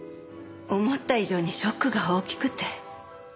思った以上にショックが大きくて。